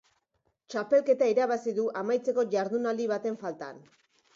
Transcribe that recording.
Txapelketa irabazi du amaitzeko jardunaldi baten faltan.